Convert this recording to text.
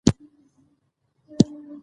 علم د کلتوري هویت ساتنه کوي.